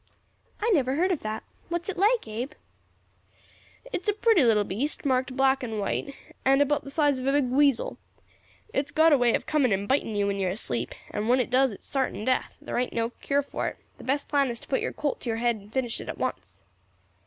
"I never heard of that. What is it like, Abe?" "It is a pretty little beast, marked black and white, and about the size of a big weasel. It has got a way of coming and biting you when you are asleep, and when it does it is sartin death; thar ain't no cure for it; the best plan is to put your Colt to your head and finish it at once."